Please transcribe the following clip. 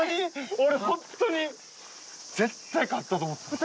俺ホントに絶対勝ったと思った。